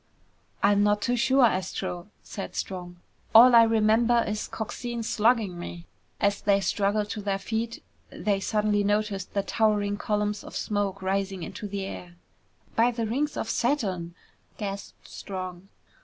"I'm not too sure, Astro," said Strong. "All I remember is Coxine slugging me." As they struggled to their feet, they suddenly noticed the towering columns of smoke rising into the air. "By the rings of Saturn!" gasped Strong.